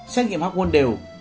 xét nghiệm học môn đều